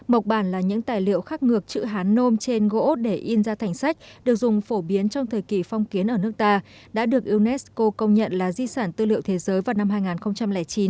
mộc bản là những tài liệu khắc ngược chữ hán nôm trên gỗ để in ra thành sách được dùng phổ biến trong thời kỳ phong kiến ở nước ta đã được unesco công nhận là di sản tư liệu thế giới vào năm hai nghìn chín